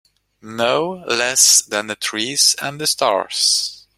No less than the trees and the stars